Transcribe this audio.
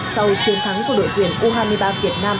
sau chiến thắng của đội tuyển u hai mươi ba việt nam